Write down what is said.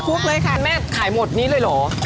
คุกเลยค่ะแม่ขายหมดนี้เลยเหรอ